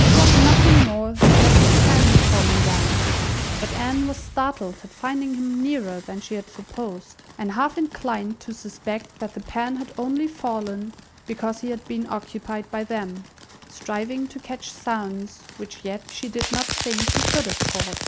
It was nothing more than that his pen had fallen down; but Anne was startled at finding him nearer than she had supposed, and half inclined to suspect that the pen had only fallen because he had been occupied by them, striving to catch sounds, which yet she did not think he could have caught.